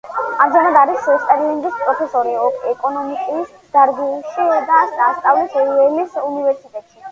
ამჟამად არის სტერლინგის პროფესორი ეკონომიკის დარგში და ასწავლის იელის უნივერსიტეტში.